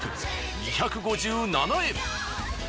２５７円。